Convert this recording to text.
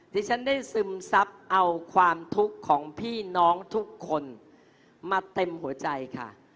ที่ฉันได้ซึมซับเอาความทุกข์ของพี่น้องทุกคนมาเต็มหัวใจค่ะ